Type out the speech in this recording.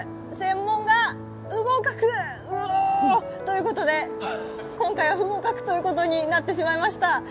専門が不合格、うぉーということで、今回は不合格ということになってしまいました。